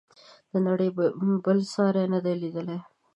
نړۍ بل ساری نه دی لیدلی.